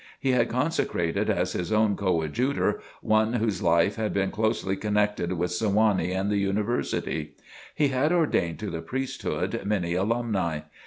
He had consecrated as his own coadjutor one whose life had been closely connected with Sewanee and the University. He had ordained to the priesthood many alumni.